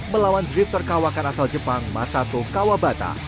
melawan drifter kawakan asal jepang masato kawabata